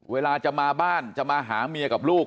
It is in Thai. เวลาจะมาบ้านจะมาหาเมียกับลูก